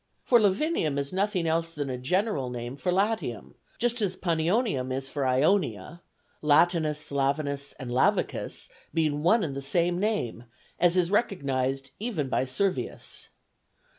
For Lavinium is nothing else than a general name for Latium, just as Panionium is for Ionia, Latinus, Lavinus, and Lavicus being one and the same name, as is recognized even by Servius.